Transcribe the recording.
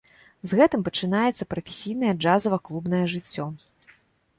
З гэтым пачынаецца прафесійнае джазава-клубнае жыццё.